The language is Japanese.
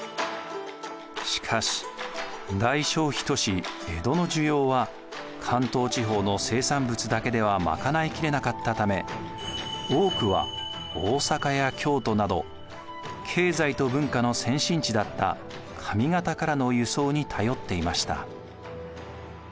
しかし大消費都市江戸の需要は関東地方の生産物だけでは賄いきれなかったため多くは大坂や京都など経済と文化の先進地だった上方からの輸送に頼っていました。